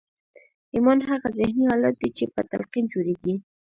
ایمان هغه ذهني حالت دی چې په تلقین جوړېږي